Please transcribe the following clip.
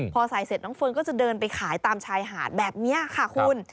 พอใส่เสร็จน้องเฟิร์นก็จะเดินไปขายตามชายหาดแบบนี้ค่ะคุณ